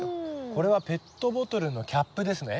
これはペットボトルのキャップですね？